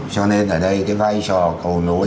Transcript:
cho nên ở đây cái vai trò cầu nối